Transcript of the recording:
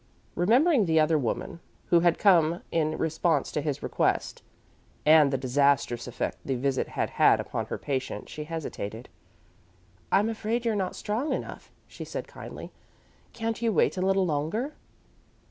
Remembering the other woman who had come in response to his request, and the disastrous effect the visit had had upon her patient she hesitated. "I'm afraid you're not strong enough," she said kindly. "Can't you wait a little longer?"